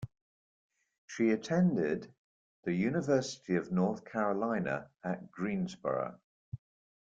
She attended the University of North Carolina at Greensboro.